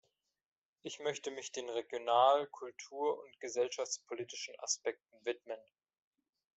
Ich möchte mich den regional-, kulturund gesellschaftspolitischen Aspekten widmen.